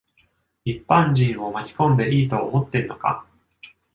一般人を巻き込んでいいと思ってんのか。